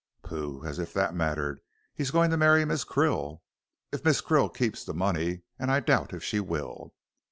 "Pooh, as if that mattered. He's going to marry Miss Krill." "If Miss Krill keeps the money, and I doubt if she will."